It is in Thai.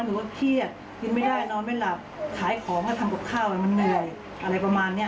หนูก็เครียดกินไม่ได้นอนไม่หลับขายของก็ทำกับข้าวให้มันเหนื่อยอะไรประมาณนี้